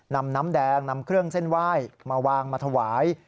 นำน้ำแดงนำเครื่องเส้นไหว้มาวางมาถวาย